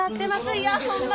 いやホンマ